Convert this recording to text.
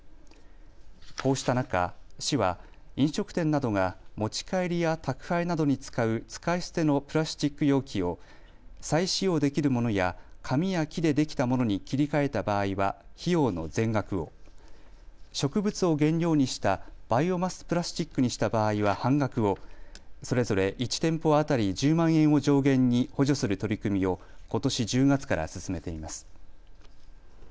こうした中、市は飲食店などが持ち帰りや宅配などに使う使い捨てのプラスチック容器を再使用できるものや紙や木でできたものに切り替えた場合は費用の全額を、植物を原料にしたバイオマスプラスチックにした場合は半額を、それぞれ１店舗当たり１０万円を上限に補助する取り組みをことし１０月から進めています。